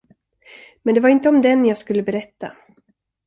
Men det var inte om den jag skulle berätta.